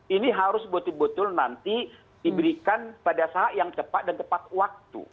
ini harus betul betul nanti diberikan pada saat yang cepat dan tepat waktu